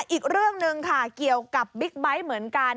อีกเรื่องหนึ่งค่ะเกี่ยวกับบิ๊กไบท์เหมือนกัน